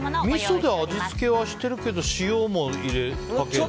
みそで味付けはしてるけど塩もかけるんだ。